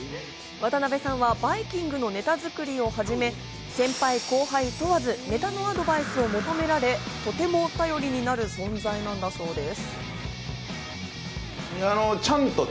渡辺さんはバイキングのネタ作りを始め、先輩後輩問わずネタのアドバイスを求められ、とても頼りになる存在なんだそうです。